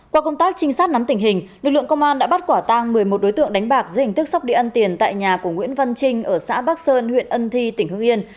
qua công tác trinh sát nắm tình hình lực lượng công an đã bắt quả tang một mươi một đối tượng đánh bạc dưới hình thức sóc địa ăn tiền tại nhà của nguyễn văn trinh ở xã bắc sơn huyện ân thi tỉnh hương yên